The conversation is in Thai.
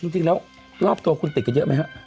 จริงแล้วรอบโทษคุณติดกันเยอะมั้ยฮะ